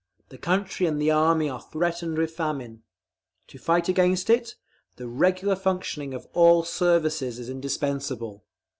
The country and the Army are threatened with famine. To fight against it, the regular functioning of all services is indispensable.